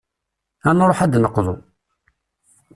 Ad nruḥ ad d-neqḍu.